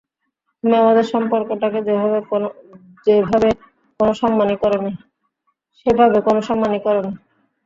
তুমি আমাদের সম্পর্কটাকে সেভাবে কোনো সম্মানই করোনি।